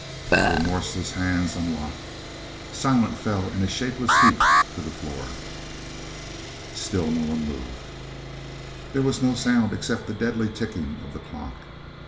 The remorseless hands unlocked. Silent fell in a shapeless heap to the floor. Still no one moved. There was no sound except the deadly ticking of the clock.